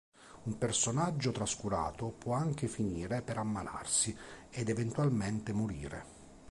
Un personaggio trascurato può anche finire per ammalarsi ed eventualmente morire.